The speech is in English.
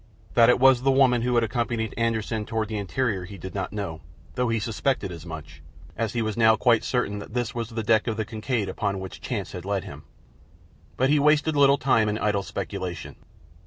That it was the woman who had accompanied Anderssen toward the interior he did not know, though he suspected as much, as he was now quite certain that this was the deck of the Kincaid upon which chance had led him. But he wasted little time in idle speculation.